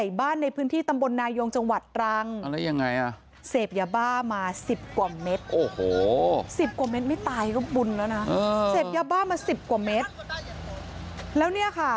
อย่าลั้นอย่าลั้น